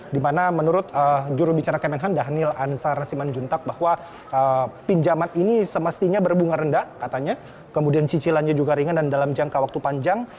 dimana menurut jurubicara kemenhan dhanil ansar simanjuntak bahwa pinjaman ini semestinya berbunga rendah katanya kemudian cicilannya juga ringan dan dalam jangka waktu panjang